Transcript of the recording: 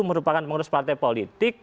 merupakan pengurus partai politik